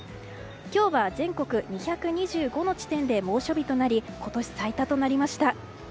今日は、全国２２５の地点で猛暑日となり今年最多となりました。